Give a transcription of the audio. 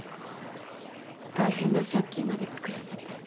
大変な借金までつくらせて。